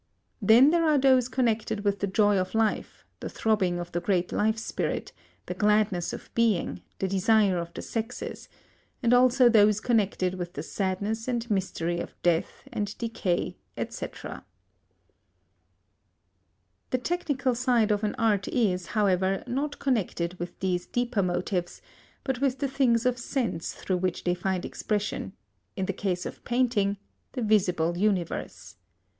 Then there are those connected with the joy of life, the throbbing of the great life spirit, the gladness of being, the desire of the sexes; and also those connected with the sadness and mystery of death and decay, &c. The technical side of an art is, however, not concerned with these deeper motives but with the things of sense through which they find expression; in the case of painting, the visible universe.